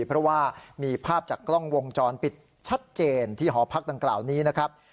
เพราะว่ามีภาพจากกล้องวงจรปิดชัดเจนที่หอพักดังกล่าวนี้นะครับ